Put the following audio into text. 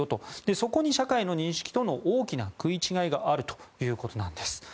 そこに社会の認識との大きな食い違いがあるということなんです。